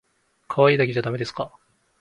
可愛いだけじゃだめですか？